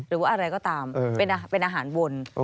หรือว่าอะไรก็ตามเป็นอาหารวน